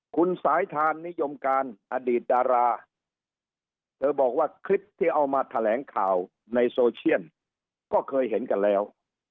คุณสายทานนิยมการอดีตดาราเธอบอกว่าคลิปที่เอามาแถลงข่าวในโซเชียลก็เคยเห็นกันแล้ว